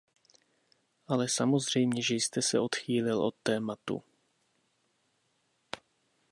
Ale samozřejmě, že jste se odchýlil od tématu.